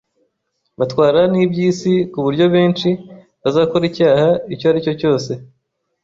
Batwara n’iby’isi ku buryo benshi bazakora icyaha icyo ari cyo cyose